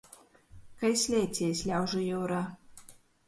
Kai sleiciejs ļaužu jiurā.